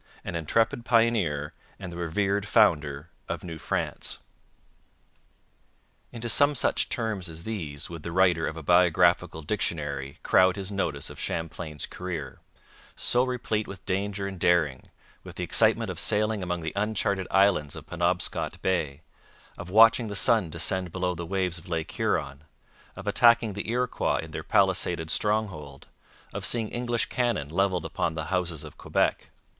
An intrepid pioneer and the revered founder of New France. Into some such terms as these would the writer of a biographical dictionary crowd his notice of Champlain's career, so replete with danger and daring, with the excitement of sailing among the uncharted islands of Penobscot Bay, of watching the sun descend below the waves of Lake Huron, of attacking the Iroquois in their palisaded stronghold, of seeing English cannon levelled upon the houses of Quebec.